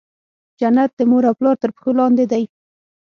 جنت د مور او پلار تر پښو لاندي دی.